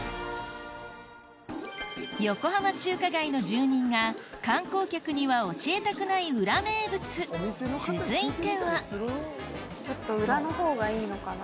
横浜中華街の住人が観光客には教えたくない裏名物続いてはちょっと裏の方がいいのかな？